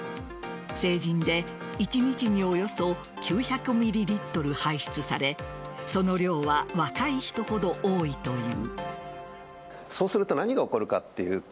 成人で一日におよそ９００ｍｌ排出されその量は若い人ほど多いという。